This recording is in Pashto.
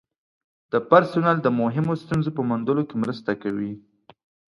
د پرسونل د مهمو ستونزو په موندلو کې مرسته کوي.